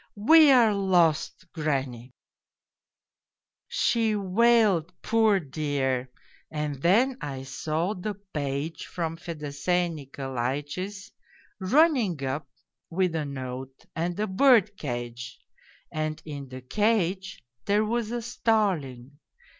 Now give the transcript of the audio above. "' We are lost, granny 1 '" She wailed, poor dear, and then I saw the page from Fedosey Nikolaitch's running up with a note and a bird cage, and in the cage there was a starling.